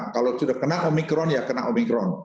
kalau sudah kena omikron ya kena omikron